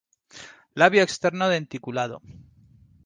Labio externo denticulado.